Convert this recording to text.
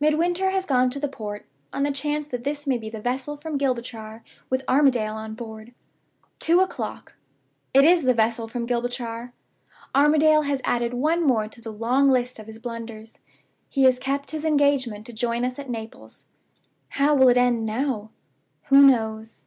Midwinter has gone to the port, on the chance that this may be the vessel from Gibraltar, with Armadale on board. "Two o'clock. It is the vessel from Gibraltar. Armadale has added one more to the long list of his blunders: he has kept his engagement to join us at Naples. "How will it end now? "Who knows?"